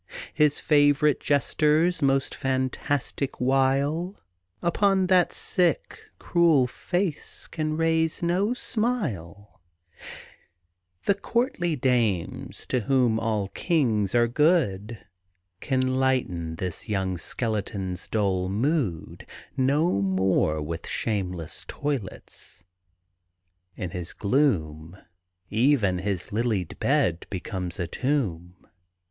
His favourite Jester's most fantastic wile Upon that sick, cruel face can raise no smile; The courtly dames, to whom all kings are good, Can lighten this young skeleton's dull mood No more with shameless toilets. In his gloom Even his lilied bed becomes a tomb.